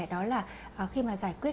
đó là khi mà giải quyết